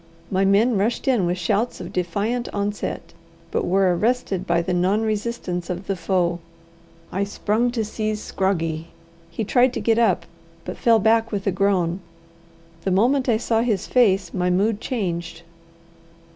My men rushed in with shouts of defiant onset, but were arrested by the non resistance of the foe. I sprung to seize Scroggie. He tried to get up, but fell back with a groan. The moment I saw his face, my mood changed.